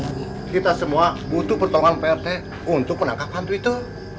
pak r t kita semua butuh pertolongan pak r t untuk menangkap hantu itu